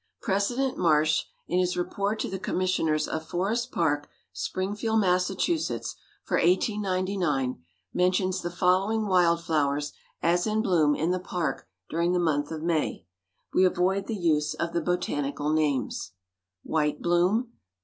President Marsh, in his report to the commissioners of Forest Park, Springfield, Mass., for 1899, mentions the following wild flowers as in bloom in the park during the month of May. We avoid the use of the botanical names: WHITE BLOOM.